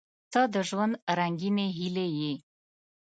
• ته د ژوند رنګینې هیلې یې.